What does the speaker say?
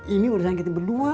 ini urusan kita berdua